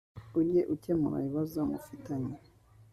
ujye ukemura ibibazo mufitanye